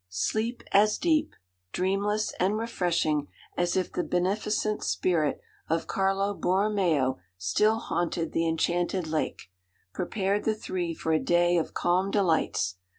_ Sleep as deep, dreamless, and refreshing as if the beneficent spirit of Carlo Borromeo still haunted the enchanted lake, prepared the three for a day of calm delights.